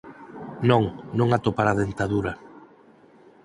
Non, non atopara a dentadura.